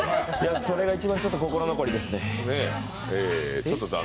それが一番心残りですね。